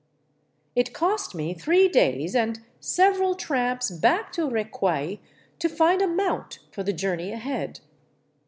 It cost me three days and several tramps back to Recuay to find a mount for the journey ahead.